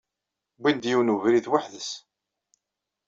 Wwin-d yiwen webrid weḥd-s.